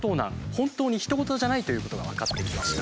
本当にひと事じゃないということが分かってきました。